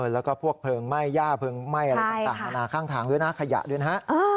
แล้วก็พวกเพลิงไหม้ย่าเพลิงไหม้อะไรต่างนานาข้างทางด้วยนะขยะด้วยนะฮะ